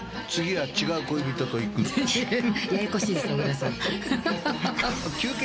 ややこしいです小倉さん。